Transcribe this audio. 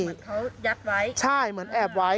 เหมือนเขาแอบไว้ใช่เหมือนแอบไว้